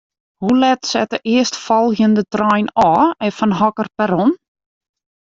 Hoe let set de earstfolgjende trein ôf en fan hokker perron?